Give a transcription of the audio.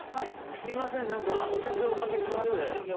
すいません何かお手数をお掛けします。